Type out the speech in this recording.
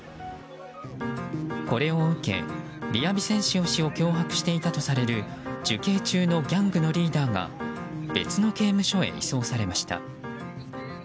これを受け、ビヤビセンシオ氏を脅迫していたとされる受刑中のギャングのリーダーが別の刑務所へ移送されました。